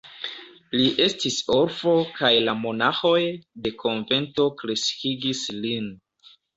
Li estis orfo kaj la monaĥoj de konvento kreskigis lin.